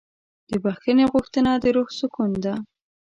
د بښنې غوښتنه د روح سکون ده.